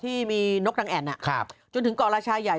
ที่มีนกรังแอ่นจนถึงเกาะราชาใหญ่